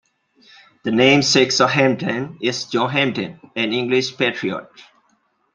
The namesake of Hampden is John Hampden, an English patriot.